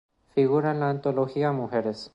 Figura en la antología "Mujeres.